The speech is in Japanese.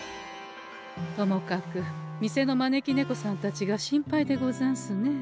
ともかく店の招き猫さんたちが心配でござんすね。